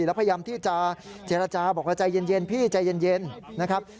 แล้วพยายามที่จะเจรจาบอกว่าใจเย็นพี่ใจเย็นนะครับ